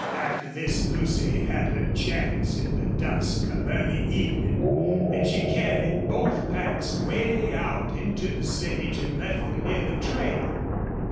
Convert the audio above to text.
After this Lucy had her chance in the dusk of early evening, and she carried both packs way out into the sage and left them near the trail.